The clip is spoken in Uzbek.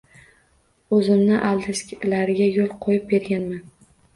Oʻzimni aldashlariga yoʻl qoʻyib berganman